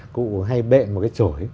cụ hay bệ một cái chổi